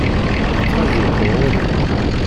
Yettraju-k ɣur-i.